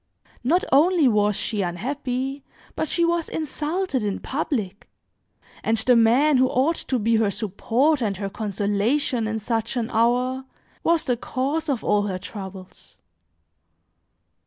Not only was she unhappy, but she was insulted in public, and the man who ought to be her support and her consolation in such an hour, was the cause of all her troubles.